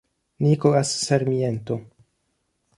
Nicolás Sarmiento